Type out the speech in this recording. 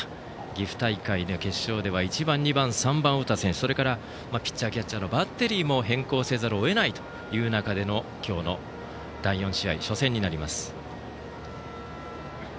岐阜大会の決勝では１番、２番、３番を打った選手ピッチャー、キャッチャーのバッテリーも変更せざるを得ないという中での今日の第４試合、初戦になります。